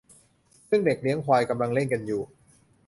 ซึ่งเด็กเลี้ยงควายกำลังเล่นกันอยู่